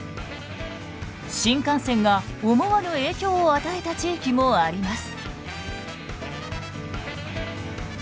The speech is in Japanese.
新幹線が思わぬ影響を与えた地域もあります。